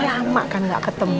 lama kan gak ketemu